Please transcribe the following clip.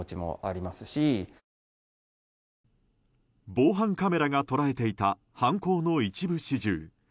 防犯カメラが捉えていた犯行の一部始終。